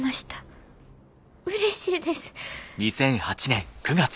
うれしいです。